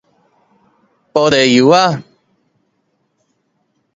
玻璃幼仔